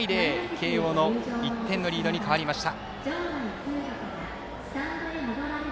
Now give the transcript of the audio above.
慶応の１点のリードに変わりました。